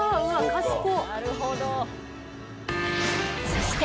［そして］